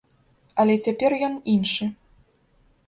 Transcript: Але цяпер ён іншы.